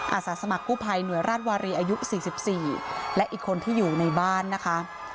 อาสาสมัครกู้ภัยหน่วยราชวารีอายุ๔๔และอีกคนที่อยู่ในบ้านนะคะ